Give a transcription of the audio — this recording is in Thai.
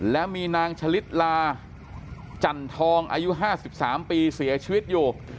และมีนางฉลิดลาจันทองอายุ๕๓ปีเสียชีวิตอยู่